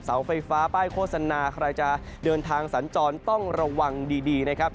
เสาไฟฟ้าป้ายโฆษณาใครจะเดินทางสัญจรต้องระวังดีนะครับ